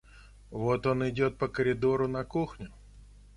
Вот он идет по коридору на кухню.